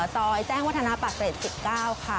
ซอยแจ้งวัฒนะปาทรด๑๙ค่ะ